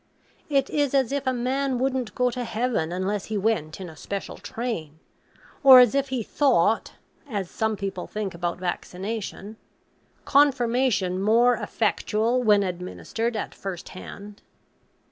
It is as if a man wouldn't go to heaven unless he went in a special train, or as if he thought (as some people think about vaccination) Confirmation more effectual when administered at first hand.